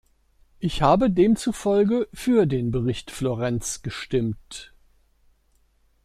Ich habe demzufolge für den Bericht Florenz gestimmt.